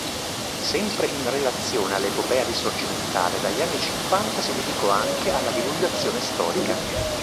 Sempre in relazione all'epopea risorgimentale, dagli anni Cinquanta si dedicò anche alla divulgazione storica.